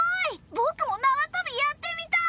僕もなわとびやってみたい。